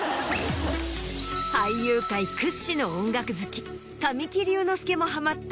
俳優界屈指の音楽好き神木隆之介もハマった。